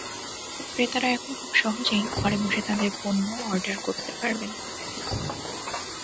ক্রেতারা এখন খুব সহজেই ঘরে বসে তাঁদের পণ্য অর্ডার করতে পারবেন।